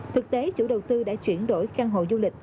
thực tế chủ đầu tư đã chuyển đổi căn hộ du lịch